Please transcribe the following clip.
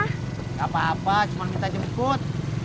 tidak apa apa cuma minta jemput